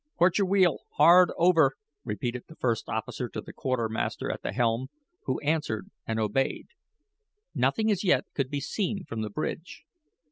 "Port your wheel hard over," repeated the first officer to the quartermaster at the helm who answered and obeyed. Nothing as yet could be seen from the bridge.